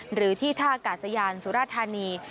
หรือที่ท่ากาศยานสุราธานี